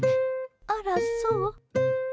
あらそう？